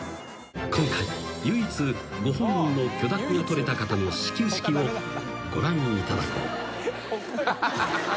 ［今回唯一ご本人の許諾が取れた方の始球式をご覧いただこう］